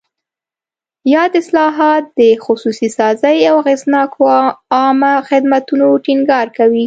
یاد اصلاحات د خصوصي سازۍ او اغېزناکو عامه خدمتونو ټینګار کوي.